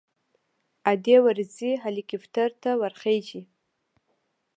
ادې ورځي هليكاپټر ته ورخېژي.